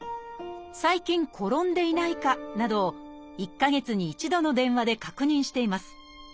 「最近転んでいないか」などを１か月に１度の電話で確認しています。